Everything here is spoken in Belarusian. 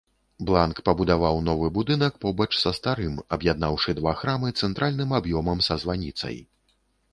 Бланк пабудаваў новы будынак побач са старым, аб'яднаўшы два храмы цэнтральным аб'ёмам са званіцай.